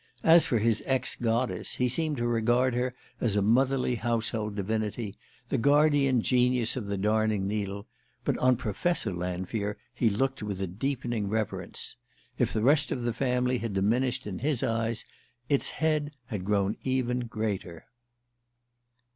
As for his ex goddess, he seemed to regard her as a motherly household divinity, the guardian genius of the darning needle; but on Professor Lanfear he looked with a deepening reverence. If the rest of the family had diminished in his eyes, its head had grown even greater.